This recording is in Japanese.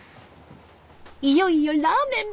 いよいよラーメン。